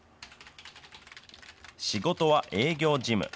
仕事は営業事務。